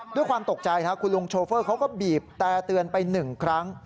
ด้วยความตกใจคุณลุงโชเฟอร์เขาก็บีบแต่เตือนไป๑ครั้ง